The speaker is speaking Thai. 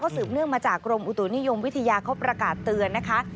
สืบเนื่องมาจากกรมอุตุนิยมวิทยาเขาประกาศเตือนนะคะ